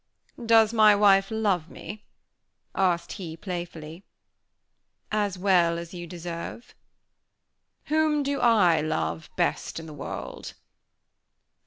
"Does my wife love me?" asked he, playfully. "As well as you deserve." "Whom do I love best in the world?"